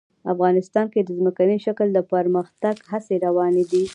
افغانستان کې د ځمکنی شکل د پرمختګ هڅې روانې دي.